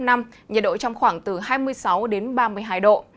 nhiệt độ trong khoảng từ hai mươi sáu đến ba mươi hai độ